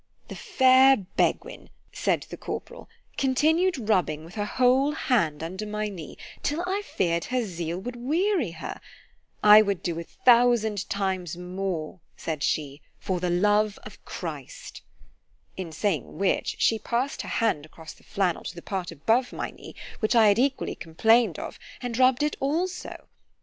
The fair Beguine, said the corporal, continued rubbing with her whole hand under my knee—till I fear'd her zeal would weary her——"I would do a thousand times more," said she, "for the love of Christ"——In saying which, she pass'd her hand across the flannel, to the part above my knee, which I had equally complain'd of, and rubb'd it also.